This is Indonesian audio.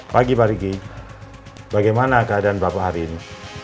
pagi pak riki bagaimana keadaan bapak hari ini